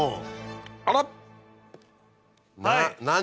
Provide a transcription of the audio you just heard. あら。